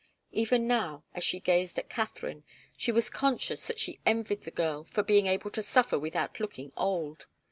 Even now, as she gazed at Katharine, she was conscious that she envied the girl for being able to suffer without looking old.